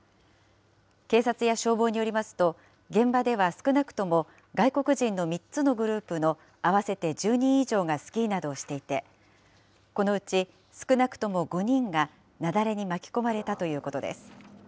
警察や消防によりますと、現場では少なくとも外国人の３つのグループの合わせて１０人以上がスキーなどをしていて、このうち少なくとも５人が雪崩に巻き込まれたということです。